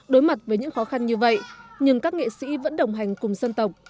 đối mặt với những khó khăn như vậy nhưng các nghệ sĩ vẫn đồng hành cùng dân tộc